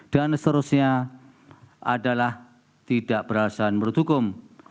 dan seterusnya adalah tidak berdasarkan menurut hukum